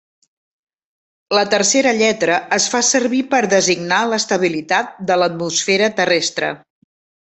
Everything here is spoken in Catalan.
La tercera lletra es fa servir per designar l'estabilitat de l'atmosfera terrestre.